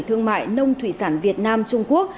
thương mại nông thủy sản việt nam trung quốc